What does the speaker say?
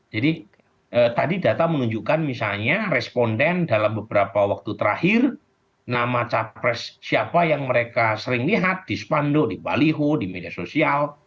jadi tadi data menunjukkan misalnya responden dalam beberapa waktu terakhir nama capres siapa yang mereka sering lihat di spando di baliho di media sosial